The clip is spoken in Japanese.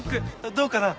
どうかな？